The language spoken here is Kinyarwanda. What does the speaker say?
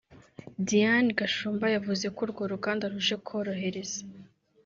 Diane Gashumba yavuze ko urwo ruganda ruje korohereza u